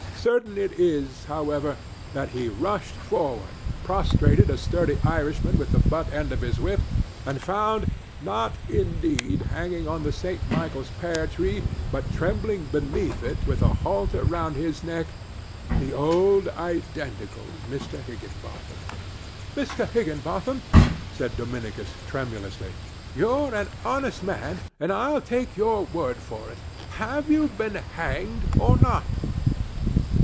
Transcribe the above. Certain it is, however, that he rushed forward, prostrated a sturdy Irishman with the butt end of his whip, and found—not, indeed, hanging on the St. Michael's pear tree, but trembling beneath it with a halter round his neck—the old identical Mr. Higginbotham. "Mr. Higginbotham," said Dominicus, tremulously, "you're an honest man, and I'll take your word for it. Have you been hanged, or not?"